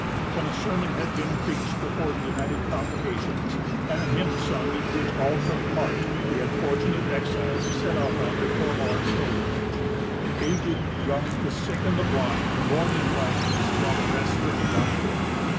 When a sermon had been preached before the united congregations, and a hymn sung in which all took part, the unfortunate exiles set out on their forlorn pilgrimage; the aged, the young, the sick, and the blind, borne in wagons, while the rest journeyed on foot.